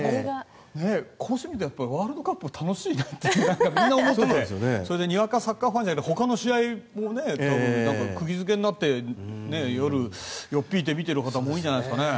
こうしてみるとワールドカップ楽しいなってみんな思っていてにわかサッカーファンじゃなくてほかの試合も多分、釘付けになって夜見ている人も多いんじゃないですかね。